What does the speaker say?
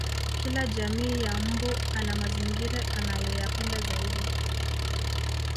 Kila jamii ya mbu ana mazingira anayoyapenda zaidi